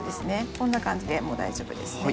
こんな感じでもう大丈夫ですね。